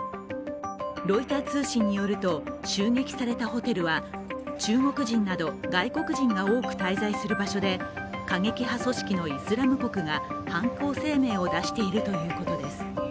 ロイター通信によると、襲撃されたホテルは中国人など外国人が多く滞在する場所で過激派組織のイスラム国が犯行声明を出しているということです。